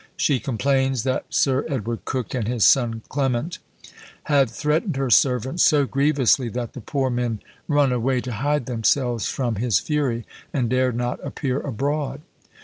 She complains that Sir Edward Coke and his son Clement had threatened her servants so grievously, that the poor men run away to hide themselves from his fury, and dare not appear abroad.